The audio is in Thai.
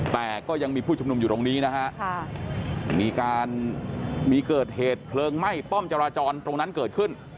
แต่ก็ยังมีผู้ชุมนุมอยู่ตรงนี้นะฮะมีการมีเกิดเหตุเพลิงไหม้ป้อมจราจรตรงนั้นเกิดขึ้น